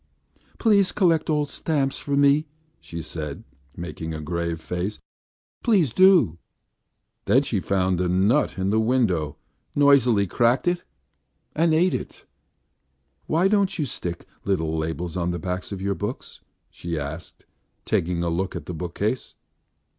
"Please collect old stamps for me!" she said, making a grave face. "Please do." Then she found a nut in the window, noisily cracked it and ate it. "Why don't you stick little labels on the backs of your books?" she asked, taking a look at the bookcase.